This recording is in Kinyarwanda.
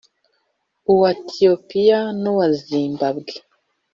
uwa Ethiopia n’uwa Zimbabwe